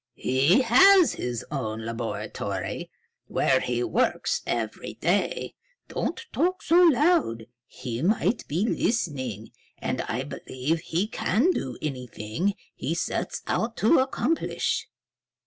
"He has his own laboratory, where he works every day. Don't talk so loud. He might be listening. And I believe he can do anything he sets out to accomplish."